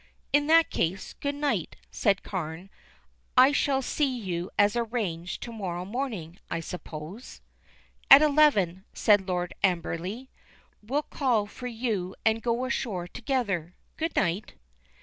"In that case, good night," said Carne. "I shall see you as arranged, to morrow morning, I suppose?" "At eleven," said Lord Amberley. "We'll call for you and go ashore together. Good night."